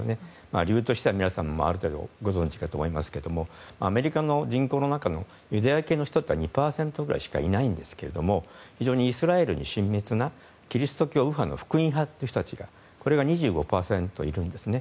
理由としては皆さんもある程度ご存じかと思いますけどアメリカの人口の中のユダヤ系の人は２％ぐらいしかいないんですけれども非常にイスラエルに親密なキリスト教右派の福音派が２５％いるんですね。